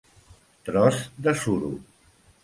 Tros de suro.